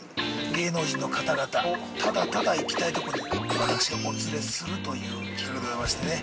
芸能人の方々をただただ行きたいとこに、私がお連れするという企画でございましてね。